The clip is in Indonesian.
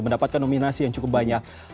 mendapatkan nominasi yang cukup banyak